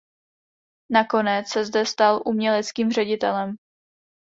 Nakonec se zde stal uměleckým ředitelem.